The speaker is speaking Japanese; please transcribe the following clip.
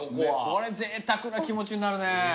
これぜいたくな気持ちになるね。